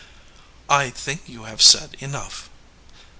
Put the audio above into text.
"I think you have said enough."